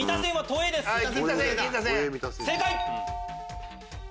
正解！